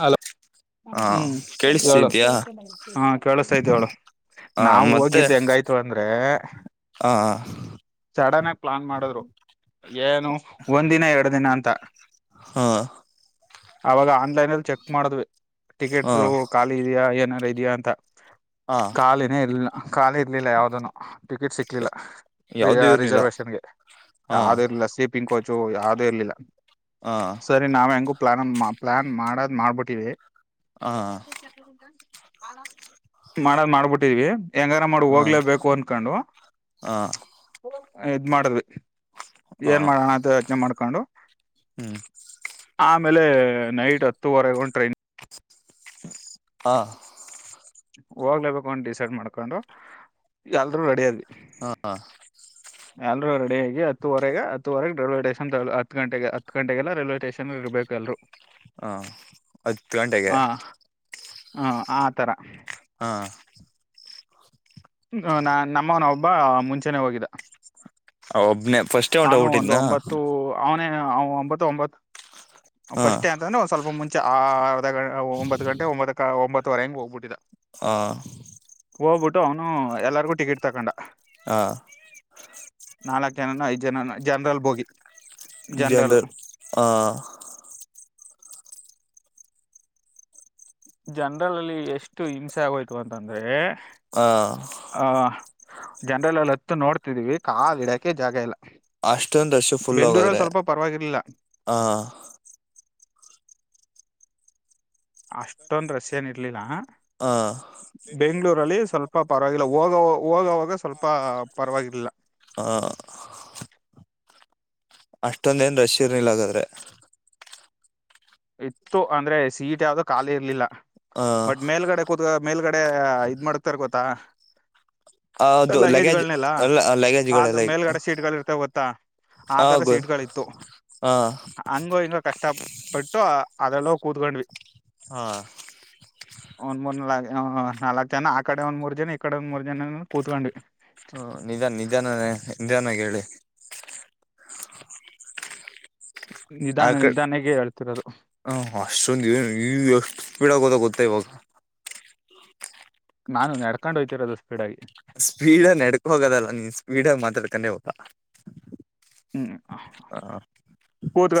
Hello ಹಾ ಹ್ಮ್ ಹೇಳು ಕೇಳಿಸ್ತಿದ್ಯಾ ಹ ಕೇಳಿಸತಯ್ತು ಹೇಳು ಹ ನಾವ ಮತ್ತೆ ಹೋಗಿದ್ದ್ ಹೆಂಗಾಯ್ತು ಅಂದ್ರೆ ಹ [inaudible] ಸಡನ್ ಆಗಿ ಪ್ಲಾನ್ ಮಾಡಿದ್ರು ಏನು ಒಂದ್ ದಿನ ಎರಡು ದಿನ ಅಂತ ಹಾ ಅವಾಗ ಆನ್ಲೈನ್ ಅಲ್ಲಿ ಚೆಕ್ ಮಾಡಿದ್ವಿ ಹ ಟಿಕೆಟ್ ಖಾಲಿ ಇದೆಯಾ ಏನ ಇದೆಯಾ ಅಂತ ಹ ಖಾಲಿನೆ ಇಲ್ಲ ಖಾಲಿ ಇರ್ಲಿಲ್ಲ ಯಾವ್ದನು ಟಿಕೆಟ್ ಸಿಕ್ಕಿಲ್ಲ ಯಾವ್ದು ಇರ್ನಿಲ್ಲ ರಿಸರ್ವಷನ್ಗೆ ಹ ಯಾವ್ದ ಇಲ್ಲ ಸ್ಲೀಪಿಂಗ್ ಕೋಚು ಯಾವುದು ಇರ್ಲಿಲ್ಲ ಹ ಸರಿ ನಾವ ಹೆಂಗ ಪ್ಲಾನ್ ಪ್ಲನ್ ಮಾಡದ್ ಮಾಡ್ಬಿಟ್ಟಿವಿ ಹ [unintelligible] ಮಾಡ್ ಮಾಡ್ಬಿಟ್ಟಿದ್ವಿ ಹೆಂಗಾರ ಮಾಡ ಹ ಹೋಗ್ಲೇಬೇಕು ಅನ್ಕೊಂಡು ಹ ಇದನ್ನ ಮಾಡದಿವ್ವಿ ಹ ಏನ್ ಮಾಡಣ ಯೋಚನೆ ಮಾಡ್ಕೊಂಡ ಕೊಂಡು ಹ್ಮ್ ಆಮೇಲೆ ನೈಟ್ ಹತ್ತುವರೆಗೆ ಒಂದ್ ಟ್ರೈನ್ ಹಾ ಹೋಗ್ಲೇಬೇಕು ಡಿಸೈಡ್ ಮಾಡ್ಕೊಂಡು ಎಲ್ರೂ ರೆಡಿ ಆದ್ವಿ ಹಾ ಎಲ್ರು ರೆಡಿಯಗಿ ಹತ್ತೂವರೆಗೆ ಹತ್ತೂವರೆಗೆ ರಲ್ವೆ ಸ್ಟೇಷನ್ ತ ಹತ್ತು ಗಂಟೆಗೆ ಹತ್ತು ಗಂಟೆಗೆಲ್ಲಾ ರೈಲ್ವೆ ಸ್ಟೇಷನ್ ಇರ್ಬೇಕು ಎಲ್ರು ಹಾ ಹತ್ತು ಗಂಟೆಗೆ ಹಾ ಆ ತರ ಹಾ ನಾ ನಮ್ಮನ ಒಬ್ಬ ಮುಂಚೆನೇ ಹೋಗಿದ್ದ ಒಬ್ಬನೇ ಫಸ್ಟ್ ಅವನು ಒಂದು ಹೊಂತೋಗ್ಬಿಟ್ಟಿದ್ನ ಒಂಬತ್ತು ಅವನೇ ಒಂಬತ್ತು ಒಂಬತ್ತು ಹಾ ಫಸ್ಟೇ ಅಂತಂದ್ರ ಸ್ವಲ್ಪ ಮುಂಚೆ ಚ್ಚೆ ಆ ಒಂಬತ್ತ ಗಂಟೆ ಒಂಬತ್ತುಕ ಒಂಬ ತುವರೆಗೆ ಹೋಗ್ಬಟ್ಟಿದ ಹ ಹೋಗ್ಬಿಟ್ಟು ಅವನು ಎಲ್ಲರಿಗೂ ಟಿಕೆಟ್ ತಕೊಂಡ ಹಾ ನಾಲಕ್ ಜನನ ಐದು ಜನನ ಜನರಲ್ ಬೋಗಿ ಜನರಲ್ ಹಾ ಜನರಲ್ ಅಲ್ಲಿ ಎಷ್ಟು ಹಿಂಸೆ ಆಗೋಯ್ತು ಅಂತಂದ್ರೆ ಹಾ ಜನರಲ್ಲೆಲ್ಲಿ ಹತ್ತು ನೋಡ್ತಿದೀವಿ ಕಾಲು ಇಡಾಕೆ ಜಾಗ ಇಲ್ಲ ಅಷ್ಟೊಂದ್ ರಶ ಫುಲ್ ಬೆಂಗ್ಳೂರಲ್ಲಿ ಹೋಗದ್ರೆ ಸ್ವಲ್ಪ ಪರವಾಗಿರ್ಲಿಲ್ಲ ಹ ಅಷ್ಟೊಂದ ರಷ ಏನ್ ಇರ್ಲಿಲ್ಲ ಹಾ ಬೆಂಗಳೂರಲ್ಲಿ ಸ್ವಲ್ಪ ಪರವಾಗಿಲ್ಲ ಹೋಗ ಹೋಗವಾಗ ಸ್ವಲ್ಪ ಪರವಾಗಿರಲಿಲ್ಲ ಹ ಅಷ್ಟೊಂದ ಏನ್ ರಶೀ ಇರ್ಲಿಲ್ಲ ಹಾಗಾದ್ರೆ ಇತ್ತು ಅಂದ್ರೆ ಸೀಟ್ ಯಾವ್ದೋ ಖಾಲಿ ಇರ್ಲಿಲ್ಲ ಹ ಬಟ್ ಮೇಲ್ಗಡೆ ಕೂತ ಮೇಲ್ಗಡೆ ಇದ್ ಮಾಡತರ್ ಗೊತ್ತಾ ಹೌದು ಲಗೇಜ್ ಲಗೇಜ್ಗಳನೆಲ್ಲ ಅಲ್ಲ ಲಗೇಜ್ಗಳೆಲ್ಲ ತ್ತ ಆತರ ಹಾಗು ಸೀಟ್ಗಳ ಇತ್ತು ಹಾ ಹಂಗೋ ಹಿಂಗೋ ಕಷ್ಟ ತಪ್ಪಿಟ್ ಟ ಅದ್ರಲ್ಲಿ ಹೋಗಿ ಕೂತ್ಕೊಂಡ್ವಿ ಹಾ ಒಂದ್ ಮೂರು ನಾಲ್ ನಾಲಕ್ಕ ಜನ ಆ ಕಡೆ ಒಂದ್ ಮೂರು ಜನ ಇಕಡೆ ಒಂದ್ ಮೂರು ಜನನೂ ಕೂತ್ಕೊಂಡಿವಿ ಹ್ಮ ನಿಧಾನ ನಿಧಾನನೆ ನಿಧಾನವಾಗಿ ಹೇಳಿ ನಿಧಾನ ಆಕಡಿ ನಿಧಾನಕ್ಕೆ ಹೇಳ್ತಿರೋದು ಹ ಅಷ್ಟೊಂದು ಏನ್ ಎಷ್ ಎಷ್ಟು ಸ್ಪೀಡಾಗಿ ಹೋದ ಗೊತ್ತಾ ಇವಾಗ ನಾನು ನೆಡ್ಕೊಂಡು ಹೊಇತಿರೋದು ಸ್ಪೀಡಾಗಿ ಸ್ಪೀಡ್ ನೆಡ್ಕ ಹೋಗೋದಲ್ಲ ನೀನ್ ಸ್ಪೀಡ ಮಾತಾಡ್ಕೊಂಡೆ ಹೋತಾ ಹ್ಮ್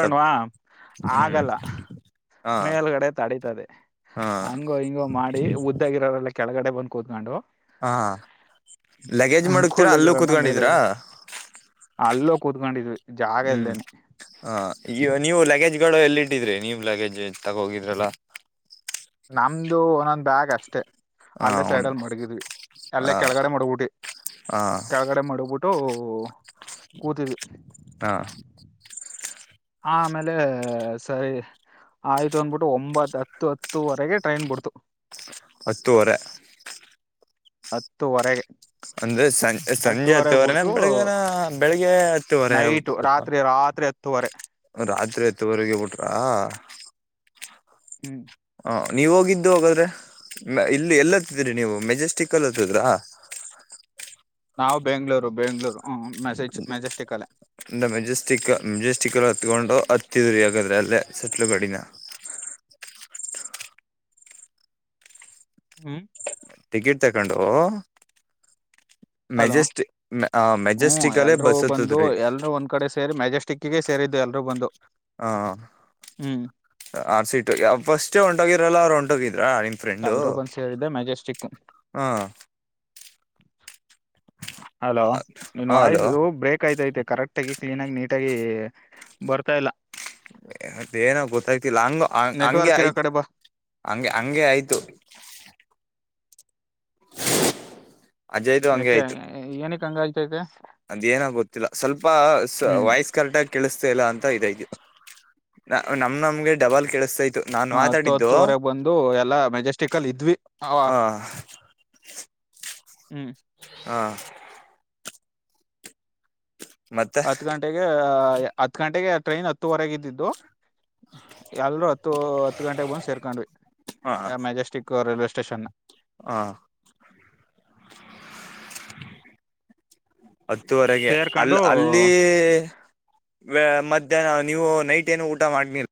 ಸ್ವಲ್ಪ ಹ್ಮ್ ಆಗಲ್ಲ ಹಾ ಮೇಲ್ಗಡೆ ತಡಿ ದೆ ಹಾ ಹಂಗೋ ಹಿಂಗೋ ಮಾಡಿ ಉದ್ದಾಗಿರೋರೆಲ್ಲ ಕೆಳಗಡೆ ಬಂದ ಕೂತ್ಕೊಂಡು ಹಾ ಲಗೇಜ್ ಮಡಗ್ತೀರಾ ಅಲ್ಲೂ ಕುಳ್ಳಗಿರೋನ ಕುತ್ಕೊಂಡಿದಿರಾ ಮೇಲ್ಗಡೆ ಅಲ್ಲೋ ಕೂತ್ಕೊಂಡಿದ್ವಿ. ಜಾಗ ಹ್ಮ್ ಇಲ್ದೇನೆ ಹ ಈ ನೀವು ಲಗೇಜ್ ಗಳು ಎಲ್ಲಿ ಇಟ್ಟಿದ್ರೆ ನೀವ್ ಲಗೇಜ್ ತಗೋಂಡ್ ಹೋಗಿದ್ರಲ್ಲ. ನಮ್ದು ಒಂದೊಂದು ಬ್ಯಾಗ್ ಅಷ್ಟೆ. ಹ ಅಲ್ಲೇ ಸೈಡ್ ಒಂದು ಅಲ್ಲಿ ಮಡಗಿದ್ವಿ ಅಲ್ಲೇ ಹ ಕೆಳಗಡೆ ಮಡಗ್ಬಿಟ್ಟೆ, ಹಾ ಕೆಳಗಡೆ ಮಾಡಗ್ಬಿಟ್ಟು ಓ ಕೂತ ಹಾ ಆಮೇಲೆ ಸರಿ ಆಯ್ತು ಅನ್ಬಿಟ್ಟು ಒಂಬತ್ ಹತ್ತು ಹತ್ತುವರೆಗೆ ಟ್ರೈನ್ ಬಿಡ್ತು. ಹತ್ತುವರೆ ಹತ್ತುವರೆಗೆ ಅಂದ್ರೆ ಸಂಜ ಸಂಜೆ ಹತ್ತುವರೆಗೆ ಹತ್ತುವರೆನ ಬಿಡ್ತು ಬೆಳಗನ ಬೆಳಿಗ್ಗೆ ಹತ್ತುವರೆ ನೈಟು ಹುಟ್ಟಲ್ವಾ. ರಾತ್ರಿ ರಾತ್ರಿ ಹತ್ತುವರೆ ರಾತ್ರಿ ಹತ್ತುವರೆಗೆ ಬಿಟ್ರ ಹ ಹ ನೀವ ಹೋಗಿದ್ದು ಹೋಗದ್ರೆ ಇಲ್ಲಿ ಎಲ್ಲತ್ತಿದ್ರಿ ನೀವು ಮೆಜೆಸ್ಟಿಕ್ ಎಲ್ಲತ್ತಿದ್ರಾ? ನಾವು ಬೆಂಗ್ಳೂರು ಬೆಂಗ್ಳೂರು ಹ ಮೆ ಮೆಜೆಸ್ಟಿಕ್ ಅಲ್ಲೆ. ಒ ಮೆಜೆಸ್ಟಿಕ್ ಮೆಜೆಸ್ಟಿಕ್ಲ್ಲಿ ಹತ್ಕೊಂಡು ಹತ್ತಿದರಿ ಆಗಾದ್ರೆ ಅಲ್ಲೇ ಸಟ್ಲು ಗಾಡಿನ ಹ್ಮ್ ಟಿಕೆಟ್ ತಕೊಂಡು ಹಲೋ, ಮೆಜೆಸ್ಟಿ ಹ್ಮ ಮೆಜೆಸ್ಟಿಕ್ ಅಲ್ಲೇ ಎಲ್ರೂ ಬಸ್ ಬಂದು ಹತ್ತದ್ರಿ ಎಲ್ರುೂ ಒಂದ್ ಕಡೆ ಸೇರಿ ಮ್ಯಾಜೆಸ್ಟಿಕ್ಗೆ. ಸೇರಿದ್ದು ಎಲ್ಲರೂ ಬಂದು. ಹಾ ಹ್ಮ್ ಆರ್ ಸೀಟ್ಗೆ ಫಸ್ಟೇ ಹೊಂಟೋಗಿರಲ್ಲ ಅವ್ರರು ಹೊಂಟೋಗಿದ್ ನಿಮ ಫ್ರೆಂಡು ಎಲ್ರೂ ಬಂದ್ ಸೇರಿದ್ದೆ ಮೆಜೆಸ್ಟಿಕ್ ಹಾ [unintelligible] ಹಲೋ ನಿನ್ ಹಲೋ ವಾಯ್ಸ್ ಬ್ರೇಕ್ ಆಯ್ತ ಐತೆ, ಕರೆಕ್ಟ್ ಆಗಿ ಕ್ಲೀನ್ ಆಗಿ ನೀಟಾಗಿ ಬರ್ತಾ ಇಲ್ಲ. ಅದೇನೋ ಗೊತ್ತಾಗ್ತಿಲ್ಲ ಹಂಗ ಹಂಗೆ ನೆಟ್ವರ್ಕ್ ಇರೋ ಆಯ್ತು ಕಡೆ ಬಾ ಹಗೆ ಹಂಗೆ ಆಯ್ತು. ಯ ಏಕೆ ಏನ ಸಂಗ ಅದೇಏನ ಗೊತ್ತಿಲ್ಲ ಸ್ವಲ್ಪ ಹ್ಮ್ ವಾಯ್ಸ್ ಕರೆಕ್ಟ್ ಆಗ ಕೇಳಿಸ್ತ ಇಲ್ಲ ಅಂತ. ಯ್ತು ನಮ್ ನಮ್ಗೆ ಡಬಲ್ ಕೆೇಳಿಸ್ತಾ ಇತ್ತು. ನಾನ್ ಮಾತಾಡಿದ್ದು ಹತ್ತೊತ್ತುವರೆಗೆ ಬಂದು ಎಲ್ಲಾ ಮೆಜೆಸ್ಟಕ್ಲ್ ಇದ್ವಿ ಅವ. ಹ ಹ್ಮ್ ಹಾ [unintelligible] ಹತ್ತು ಗಂಟೆಗೆ ಹತ್ ಗಂಟೆಗೆ ಟ್ರೈನ್ ಹತ್ತುವರೆಗೆ ಇದಿದ್ದು. ಎಲ್ರೂ ಹತ್ತು ಹತ್ತು ಗಂಟೆಗೆ ಬಂದ್ ಸೇರ್ಕೊಂಡ್ವಿ, ಮೆಜೆಸ್ಟಿಕ್ ರೈಲ್ವೆಟ ಸ್ಟೇಷನ್ ಹಾ ಹತ್ತೂುವರೆಗೆ ಅಲ್ಲ್ ಸೇರ್ಕೊಂಡು ಅಲ್ಲಿ ವ ಮಧ್ಯಾಹ್ನ ನೀವು ನೈಟ್ ಏನು ಊಟ ಮಾಡನಿಲ್ಲ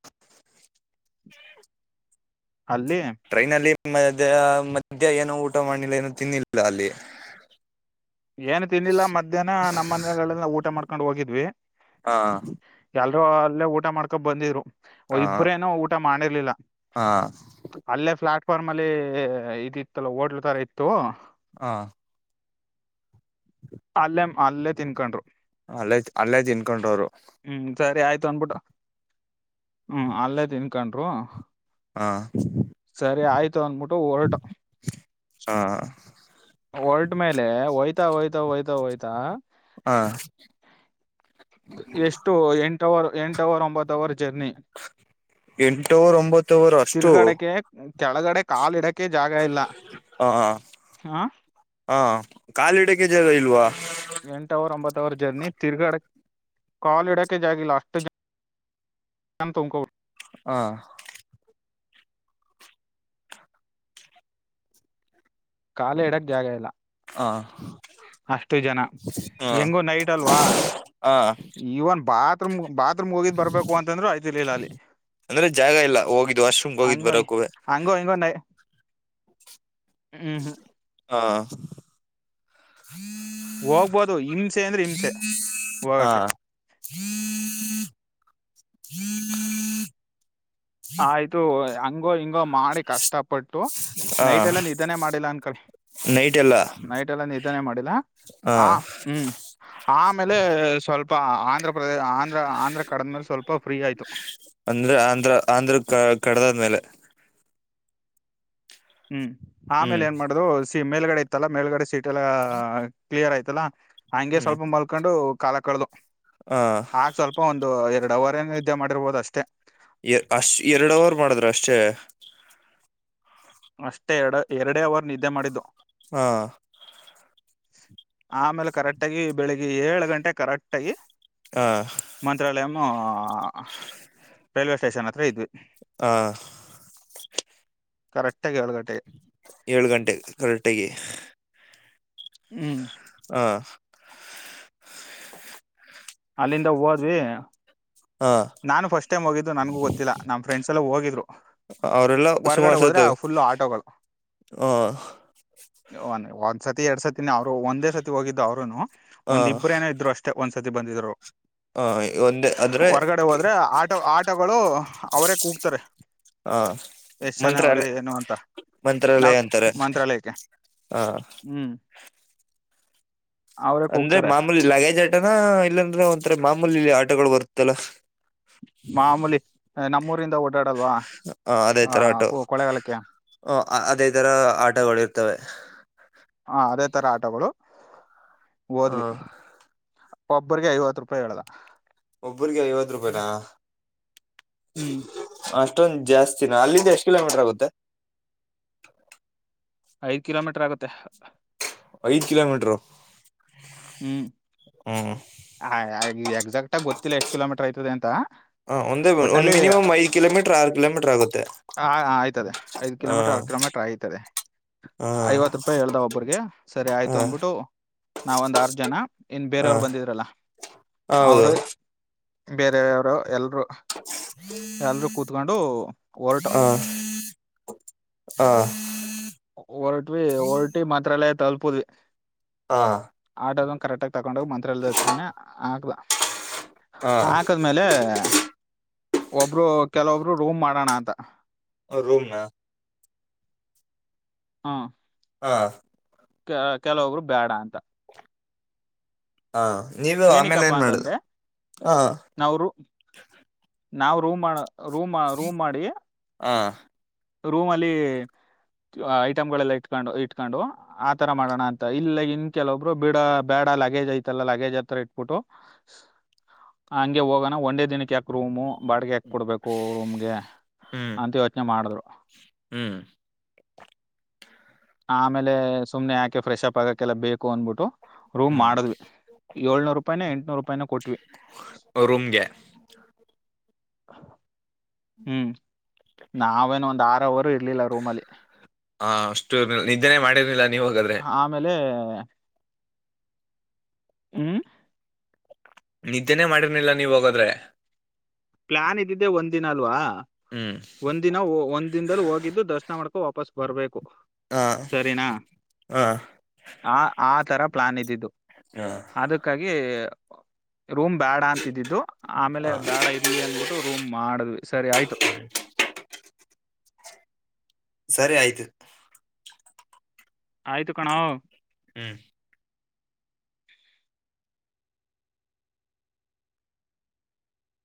ಅಲ್ಲಿ ಟ್ರೈನ್ ಅಲ್ಲಿ ಮದ ಮಧ್ಯ್ಯಾ ಏನೋ ಊಟ ಮಾಡ್ಿಲ್ಲ ಏನೋ ತಿನ್ನಿಲ್ಲ ಅಲ್ಲಿ ಏನು ತಿನ್ನಿಲ್ಲ ಮಧ್ಯಾಹ್ನ ನಮ್ಮ ಮನೆಗಳೆಲ್ಲ ಊಟ ಮಾಡ್ತಾರೆ ಕೊಂಡು ಹೋಗಿದ್ವಿ ಹಾ ಎಲ್ರೂ ಅಲ್ಲೇ ಊಟ ಮಾಡ್ಕೊಂಡ ಬಂದಿದ್ರು ಹ ಇಬ್ರೇನೋ ಊಟ ಮಾಡಿರ್ಲಿಲ್ಲ ಹ ಅಲ್ಲೇ ಫ್ಲಾಟ್ ರ್ಮಲ್ಲಿ ಇದು ಇತ್ತಲ್ಲ ಹೋಟ್ಲು ತರ ಇತ್ತು ಹಾ ಅಲ್ಲೇ ಅಲ್ಲೇ ತಿನ್ಕೊಂಡರು ಅಲ್ಲೇ ಅಲ್ಲೇ್ ತಿನ್ಕೊಂಡ್ರವರು ಹ್ಮ್ ಸರಿ ಆಯ್ತು ಅಂದಬಿಟ್ಟು ಹ್ಮ ಅಲ್ಲೇ ತಿನ್ಕೊಂಡರು ಹ ಸರಿ ಆಯ್ತು ಅಂದಬಿಟ್ಟು ಹೊರಟು ಹ ಹೊರಟ ಮೇಲೆಯ ಹೋಯ್ತು ಹೋಯ್ತ ಹೋಯ್ತಾ ಹೋಯ್ತ ಹಾ ರ್ ಎಂಟ ಅವರ್ ಒಂಬತ್ತು ಅವರ್ ಜರ್ನಿ ಎಂಟವರ್ ಒಂಬತ್ತವರ್ ಅಷ್ಟು ತಿರ್ಗಾಡಕ್ಕೆ ಕೆಳಗಡೆ ಕಾಲಿಡಕ್ಕೆ ಹಾ ಹ ಹಾ ಕಾಲಿಡಕ್ಕೆ ಜಗ ಇಲ್ವಾ ಎಂಟ ಅವರ್ ಒಂಬತ್ ಅವರ್ ಜರ್ನಿ ತಿರ್ಗಾಡ ಕಾಲು ಇಡೋಕ್ಕೆ ಜಾಗಿಲ್ಲ ಅಷ್ಟು ಜ ನ್ ತುಂಬಕೋಂಡು ಹಾ ಕಾಲ ಎಡಕ್ ಜಾಗ ಇಲ್ಲ ಹಾ ಅಷ್ಟು ಜನ ಹಾ ಹೆಂಗು ನೈಟ್ ಅಲ್ವಾ ಹ ಈವನ್ ಬಾ ಬಾತ್ರೂಂ ಬಾತ್ರೂಂ ಹೋಗಿ ಬರ್ಬೇಕು ಅಂತಂದ್ರರು ಆಯ್ತಿರ್ಲಿಲ್ಲ ಅಲ್ಲಿ ಅಂದ್ರೆ ಜಾಗ ಇಲ್ಲ ಹೋಗಿದ್ ವಾಶ್ರೂಮ್ಗೆ ಹೋಗಿದ್ ಹಂಗ ಬರಕುವೆ ಹಂಗ ಹಿಂಗ ಹ್ಮ್ ಹ್ಮ್ ಹಾ ಹೋಗ್ಬೋದು ಹಿಂಸೆ ಅಂದ್ರೆ ಹಿಂಸೆ ಹಾ ಹೋಗಕ್ಕೆ ಹ್ಮ್ ಆಯ್ತು ಹಂಗೋ ಹಿಂಗೋ ಮಾಡಿ ಕಷ್ಟಪಟ್ಟು ಹಾ ನೈಟ್ ಎಲ್ಲ ನಿಧಾನೇ ಮಾಡಿಲ್ಲ ಅನ್ಕಳ ನೈಟ್ ಎಲ್ಲ ನೈಟ್ ಎಲ್ಲ ನಿಧಾನೇ ಮಾಡಿಲ್ಲ ಹ ಆ ಹ್ಮ್ ಆಮೇಲೆ ಸ್ವಲ್ಪ ಆಂಧ್ರ ಆ ಪ್ರದೇಶ ಆಂಧ್ರ ಆಂಧ್ರ ಕಡದ ಮೇಲೆ ಸ್ವಲ್ಪ ಫ್ರೀ ಆಯ್ತು. ಅಂದ್ರೆ ಆಂಧ್ರ ಆಂಧ್ರ ಕ ಕಡದಾದ್ಮೇಲೆ ಹ್ಮ್ ಆಮೇಲೆ ಹ್ಮ್ ಏನ್ ಮಾಡುದು? ಮೇಲ್ಗಡ ತಲ ಮೇಲ್ಗಡೆ ಸೇಟ್ ಎಲ್ಲ ಕ್ಲಿಯರ್ ಆಯ್ತು. ಲ್ಲಾ ಹಂಗೆ ಹ್ಮ್ ಸ್ವಲ್ಪ ಮಲ್ಕೊಂಡು ಕಾಲಕ್ ಕಡದ ಹ ಆಗ ಸ್ವಲ್ಪ ಒಂದು ಎರಡು ಡ ಅವರೇನ ವಿದ್ಯೆ ಮಾಡಿರ್ಬೋದು ಅಷ್ಟೇ. ಎ ಅಷ್ಟ್ ಎರಡು ಅವರ್ ಮಾಡಿದ್ರ ಅಷ್ಟೇ. ಅಷ್ಟೇ ಎರಡ ಎರಡೇ ಅವರ್ ನಿದ್ದೆ ಮಾಡಿದ್ದು. ಹಾ ಆಮೇಲೆ ಕರೆಕ್ಟ್ ಆಗಿ, ಬೆಳಿಗ್ಗೆ ಏಳು ಗಂಟೆ ಕರೆಕ್ಟ್ ಆಗಿ ಹಾ ಮಂತ್ರಾಲಯಮ ರೈಲ್ವೆ ಸ್ಟೇಷನ್ ಇದ್ ಹಾ ಕಕ್ಟ್ ಏಳು ಗಂಟೆ ಕರಕ್ಟಾಗೆ ಹ್ಮ್ ಹ್ಮ್ ಅಲ್ಲಿಂದ ಹೋದ್ವಿ. ಹಾ ನಾನ್ ಫಸ್ಟ್ ಟೈಮ್ ಹೋಗಿದ್ದು ನನ್ಗ ಗೊತ್ತಿಲ್ಲ ನ ಫ್ರಂಡ್ಸ್ ಎಲ್ಲ ಹಿದ್ದ ಅವರೆಲ್ಲಾ ಸುಮಾರು ಸತ ಫುಲ್ ಹಾ ಒನ್ ಒಂದ್ಸತಿ ಎರಡ್ ಸತಿನ ಅವ್ರು ಒಂದೇ ಸತಿ ಹೋಗಿದ್ದು ಅವ್ರನು. ಹ ಒಂದ್ ಇಬ್ರುನೋ ಇದ್ರು ಅಷ್ಟೆ ಒಂದ ಸತಿ ಬಂದಿದ್ರು. ಹ ಒ ಹೊರಗಡೆ ಹೋದರೆೆ ಆಟೋ ಆಟೋಗಳು ಅವರೇ ಕೂಗ್ತಾರೆ, ಹ ಎಷ್ಟು ಜನ ಮಂತ್ರ ಎಲ್ಲ ಅವರೇ ಏನು ಅಂತ ಮಂತ್ರಾಲಯ ನಾವು ಅಂತಾರೆ ಮಂತ್ರಾಲಯಕ್ಕೆ ಹ ಹ್ಞೂ ಅಂದ್ರೆ ಮಾಮೂಲಿ ಲಗೇಜ್ ಆಟನ ಇಲ್ಲಾಂದ್ರೆ ಒಂ ಅ ಮಾಮೂಲಿ ಆಟೋಗಳು ಬರುತ್ತಲ್ಲಾ. ಮಾಮೂಲಿ ನಮ್ಮ [unintelligible] ಹ ಅದೇ ತರ ಆಟೋ ಕೊಳ್ಳೆಗಾಲಕ್ಕೆ ಹ ಅದೇ ತರ ಆಟಗಳು ಇರ್ತವೆ. ಇ ತರ ಆಟಗಳು ಹ ಓೋದ್ವಿ ಒಬ್ಬ್ರಿಗೆ ಐವತ್ತು ರೂಪಾಯಿ ಹೇಳಲ್ಲ ಒಬ್ರರಿಗೆ ಐವತ್ತು ರೂಪಾಯಿಿನಾ ಹ್ಮ್ ಅಷ್ಟೊಂದ್ ಜಾಸ್ತಿನ ಅಲ್ಲಿಂದ ಎಷ್ಟ್ ಕಿಲೋಮೀಟರ್ ಆಗುತ್ತೆ ಐದ ಕಿಲೋಮೀಟರ್ ಆಗುತ್ತೆ ಐದ್ ಕಿಲೋಮೀಟರು ಹ್ಮ್ ಹ್ಮ್ ಆಯ ಆಯ್ ಈ ಎಕ್ಸಾಕ್ ಆಗ ಗೊತ್ತಿಲ್ಲ ಎಷ್ಟ ಕಿೋಮೀಟರ್ ಆಯತದೆ ಅಂತ ಹ ಒಂದೇ ಒಂದ್ ಒಟ್ಟಲ್ಲಿ ಮಿನಿಮಮ್ ಐದ್ ಕಿಲೋಮೀಟರ್ ಆರು ಕಿಲೋಮೀಟರ್ ಆಗುತ್ತೆ ಹ ಆಯ್ತದೆ ಐದು ಕಿಲೋಮೀರ್ ಹ ಕಿಲೋಮೀಟರ್ ಆಯ್ತದೆ ಹ ಐವತ್ತು ರೂಪಾಯಿ ಹೇಳ್ದ ಒಬ್ಬ್ರಿಗೆ ಸರಿ ಆಯ್ತು ಹ ಅನ್ಬಿಟ್ಟು ನಾವ ಒಂದು್ ಆರು ಜನ ಇನ್ ಬೇರೆಯವರು ಹ ಬಂದಿದ್ರಲ್ಲ ಹೌದು ಅವರು ಬೇರೆವರು ಎಲ್ ಎಲ್ರೂ ಕೂತ್ಕೊಂಡು ಹೊರಟ ಹ ಹ ಒರಟವಿ ಒರಟಿ ಮಾತ್ರ ತಂಪುಡ್ವಿ ಹ ಆದ ಕರೆಕ್ಟ್ ಆಗಿ ತಕೊಂಡೋಗ್ ಮಂತ್ರರಿಲ್ ಹತ್ರನೆ ಆಗದ ಹ ಹ ಹಾಕದ್ಮೇಲೆ ಒಬ್ರು ಕೆಲವೊಬ್ರು ರೂಮ್ ಮಾಡೋಣ ಅಂತ ರೂಮನ ಹಾ ಹಾ ಕೆ ಕೆಲೊಬ್ರು ಬೇಡ ಅಂತ ಹಾ ನೀವು ಆಮೇಲೆ ಏನಿಕಪ್ಪಾ ಏನ್ ಮಾಡುದು ಅಂತಂದ್ರೆ ಹ ನಾವ್ ರೂಮ್ ಮಾಡ ರೂಮ್ ರೂಮ್ ಮಾಡಿ ಹ ರೂಮ್ ಅಲ್ಲಿ ಐಟಮ್ಗಳೆಲ್ಲ ಇಟ್ಕೊಂಡು ಇಟ್ಕೊಂಡು ಆತರ ಮಾಡೋಣ ಅಂತ ಇಲ್ಲ ಇನ್ ಕೆಲೊಬ್ರು ಬಡ ಬೇಡ ಲಗೇಜ್ ಐತಲ್ಲ ಲಗೇಜ್ ಹತ್ರ ಇಟ್ಬಿಟ್ಟು ಹಂಗೆ ಹೋಗೋಣ ಒಂದೇ ದಿನಕ್ಕೆ ಯಾಕ ರೂಮು ಬಾಡಿಗೆ ಯಾಕ ಕೊಡ್ಬೇಕು ರೂಮ್ಗೆ ಹ್ಮ್ ಅಂತ ಯೋಚನೆ ಮಾಡಿದ್ರು ಹ್ಮ್ ಆಮೇಲೆ ಸುಮ್ನೆ ಯಾಕೆ ಫ್ರೆಶ್ ಅಪ್ ಆಗಕ್ಕೆಲ್ಲ ಬೇಕು ಅನ್ಬಿಟ್ಟು ರೂಮ್ ಹ್ಮ್ ಮಾಡಿದ್ವಿ ಏಳು ನೂರು ರೂಪಾಯಿನ ಎಂಟನೂರು ರೂಪಾಯಿನ ಕೊಟ್ವಿ ರೂಮ್ಗೆ ಹ್ಮ್ ನಾವೇನು ಒಂದ ಆರ ವರ್ಷ ಇರ್ಲಿಲ್ಲ ರೂಮಲ್ಲಿ ನಿಿದ್ದೆನೆ ಮಾಡಿರಲಿಲ್ಲ ಆಮೇಲೆ ಹ್ಮ್, ನಿದ್ದೇನೆೇ ಮಾಡಿರ್ನಿಲ್ಲ ನೀವು ಹೋಗದ್ರೆ. - ಪ್ಲಾನ್ ಇದ್ದಿದ್ದೆ ಒಂದಿನ ಅಲ್ವಾ, ಹ್ಮ್ - ಒಂದ್ ದಿನ ಒಂದ ದಿನದಲ್ಲಿ ಹೋಗಿದ್ದು ದರ್ಶನ ಮಾಡ್ಕ- ವಾಪಸ್ ಬರ್ಬೇಕು. ಹಾ ಸರಿನಾ... ಹಾ ಆ ಆ ತರ- ಪ್ಲಾನ್ ಇದಿದ್ದು. -ಅದಕ್ಕಾಗಿ ರೂಮ್ ಬ್ಯಾಡ ಅಂತಿದ್ದಿದ್ದು. - ಆಮೇಲೆ ಹಾ ಬೇಡ ಆಯ್ತು [unintelligible] ಇಲ್ಲಿ ಅಂದ್ಬಿಟ್ಟು ರೂಮ್ ಮಾಡಿದ್ವಿ ಸರಿ ಆಯ್ತು. ಸರಿ ಆಯ್ತು. ಆಯ್ತು ಕಣಾವೋ, - ಹ್ಮ್,